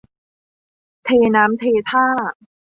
เทน้ำเทท่า